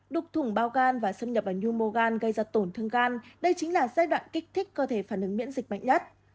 đục thủng bao gan và xâm nhập vào nhumogan gây ra tổn thương gan đây chính là giai đoạn kích thích cơ thể phản ứng miễn dịch mạnh nhất